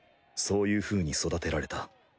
そういうふうに育てられた。